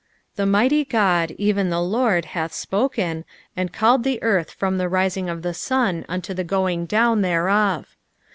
THE mighty God, even the LORD, hath spoken, and called the earth from the rising of the sun unto the going down thereof.